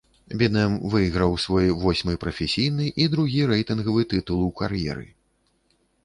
Бінэм выйграў свой восьмы прафесійны і другі рэйтынгавы тытул у кар'еры.